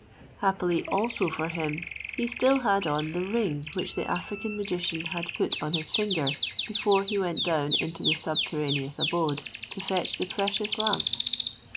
Happily also for him he still had on the ring which the African magician had put on his finger before he went down into the subterraneous abode to fetch the precious lamp.